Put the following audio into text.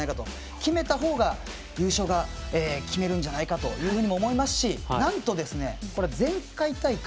決めた方が、優勝を決めるんじゃないかと思いますしなんと前回大会